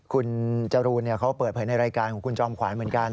คุณจรูนเขาเปิดเผยในรายการของคุณจอมขวานเหมือนกัน